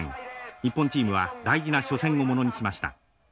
日本チームは大事な初戦を物にしました。